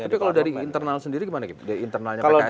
pan tapi kalau dari internal sendiri gimana gitu